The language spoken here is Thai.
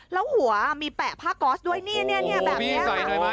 แล้วหัวมีแปะผ้าก๊อสด้วยเนี่ยแบบนี้ค่ะ